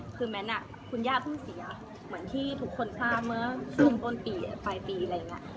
คือแม้คุณย่าเพิ่งเสียเหมือนที่ทุกคนทราบเมื่อช่วงต้นปีปลายปีอะไรอย่างนี้